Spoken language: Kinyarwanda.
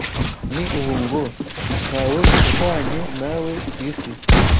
ni ubu ngo: ‘Nta we uhwanye na we ku isi